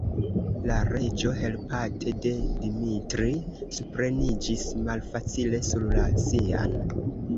La Reĝo, helpate de Dimitri, supreniĝis malfacile sur la sian.